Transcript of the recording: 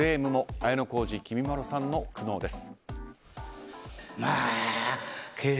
綾小路きみまろさんの苦悩です。